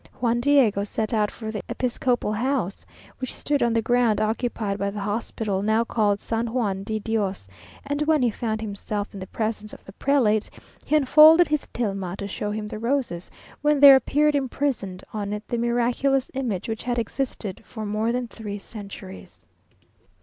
Juan Diego set out for the episcopal house, which stood on the ground occupied by the hospital, now called San Juan de Dios, and when he found himself in the presence of the prelate, he unfolded his tilma to show him the roses, when there appeared imprinted on it the miraculous image which had existed for more than three centuries.